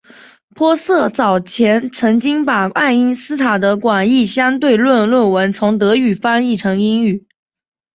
玻色早前曾经把爱因斯坦的广义相对论论文从德语翻译成英语。